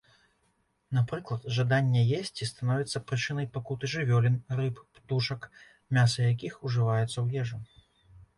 Напрыклад, жаданне есці становіцца прычынай пакуты жывёлін, рыб, птушак, мяса якіх ужываецца ў ежу.